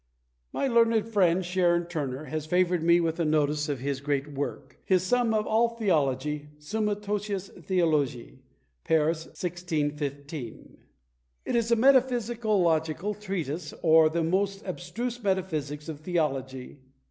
My learned friend Sharon Turner has favoured me with a notice of his greatest work his "Sum of all Theology," Summa totius Theologiæ, Paris, 1615. It is a metaphysicological treatise, or the most abstruse metaphysics of theology.